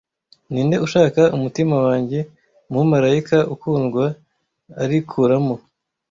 ni nde uzashaka umutima wanjye umumarayika ukundwa arikuramo